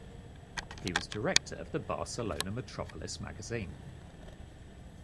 He was director of the Barcelona Metropolis magazine.